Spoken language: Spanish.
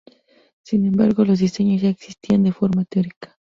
Sin embargo, los diseños ya existían de forma teórica.